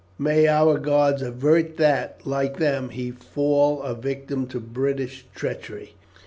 May our gods avert that, like them, he fall a victim to British treachery!"